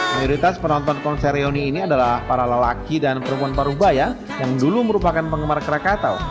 mayoritas penonton konser reuni ini adalah para lelaki dan perempuan paruh baya yang dulu merupakan penggemar krakatau